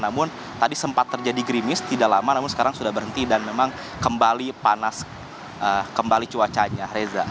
namun tadi sempat terjadi grimis tidak lama namun sekarang sudah berhenti dan memang kembali panas kembali cuacanya reza